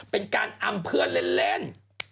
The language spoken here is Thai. เป็นการอำเพื่อนเล่น